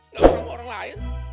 gak pernah sama orang lain